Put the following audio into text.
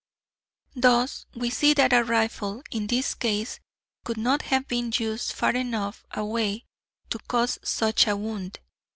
"Thus we see that a rifle in this case could not have been used far enough away to cause such a wound.